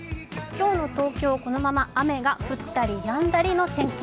今日の東京、このまま雨が降ったりやんだりの天気。